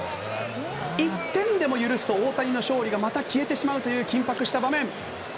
１点でも許すと大谷の勝利がまた消えてしまうという緊迫した場面です。